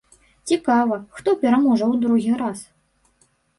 Цікава, хто пераможа ў другі раз?